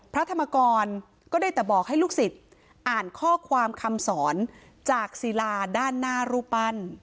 พระธรรมกรก็ได้แต่บอกให้ลูกศิษย์อ่านข้อความคำสอนจากศิลาด้านหน้ารูปปั้น